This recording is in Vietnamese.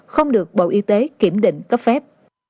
không được bộ y tế kiểm định cấp phép